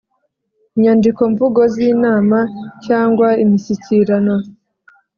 inyandiko mvugo z inama cyangwa imishyikirano